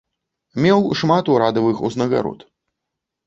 Меў шмат урадавых узнагарод.